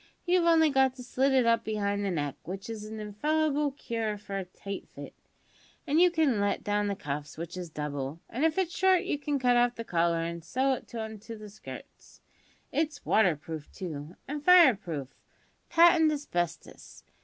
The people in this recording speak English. You've only got to slit it up behind to the neck, which is a' infallible cure for a tight fit, an' you can let down the cuffs, which is double, an' if it's short you can cut off the collar, an' sew it on to the skirts. It's water proof, too, and fire proof, patent asbestos.